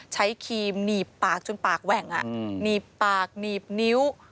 ครีมหนีบปากจนปากแหว่งหนีบปากหนีบนิ้ว